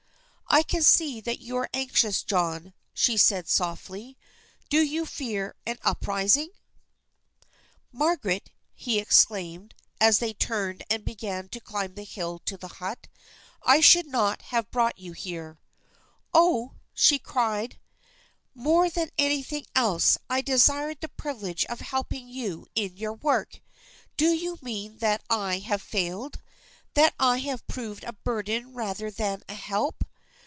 "I can see that you are anxious, John," she said softly. "Do you fear an uprising?" [Illustration: BEFORE THE DOOR OF A LOW, THATCHED HUT STOOD A FAIR HAIRED YOUNG WOMAN] "Margaret," he exclaimed, as they turned and began to climb the hill to the hut, "I should not have brought you here!" "Oh!" she cried. "More than anything else I desired the privilege of helping you in your work. Do you mean that I have failed? That I have proved a burden rather than a help?"